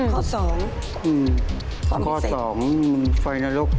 ข้อสองมันพิเศษข้อสองมันไฟนรก